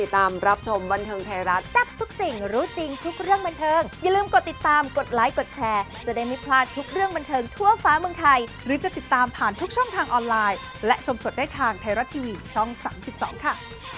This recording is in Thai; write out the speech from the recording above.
ถ้าเกิดดีหรือว่าเกิดดีหรือว่า